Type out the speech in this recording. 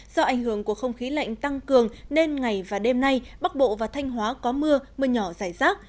do ảnh hưởng của không khí lạnh tăng cường nên ngày và đêm nay bắc bộ và thanh hóa có mưa mưa nhỏ rải rác